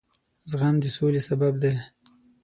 زغم د سولې سبب دی.